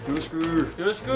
よろしく。